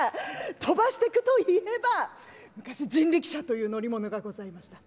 飛ばしていくといえば昔人力車という乗り物がございました。